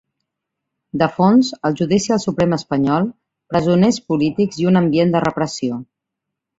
De fons, el judici al Suprem espanyol, presoners polítics i un ambient de repressió.